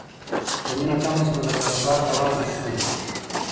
که مینه کمه شي نو د کاروبار دوام ناشونی دی.